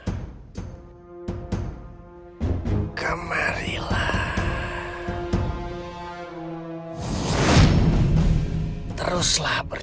lautan kejuritaan yang czasu relationship